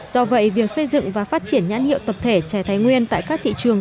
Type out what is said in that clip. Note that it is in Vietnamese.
do vậy việc xây dựng và phát triển nhãn hiệu tập thể trẻ thái nguyên tại các thị trường